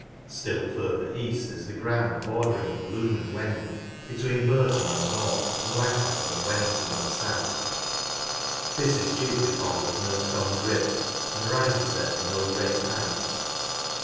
Still further 38 NORTH LANCASHIRE east is the ground bordering the Lune and Wenning between Burton on the north, and Lancaster and Wen nington on the south. This is chiefly formed of Millstone Grit, and rises there to no great height.